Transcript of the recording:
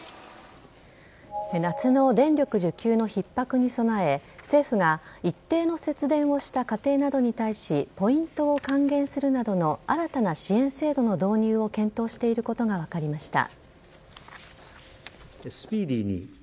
夏の電力需給のひっ迫に備え政府が一定の節電をした家庭などに対しポイントを還元するなどの新たな支援策の導入を検討していることが分かりました。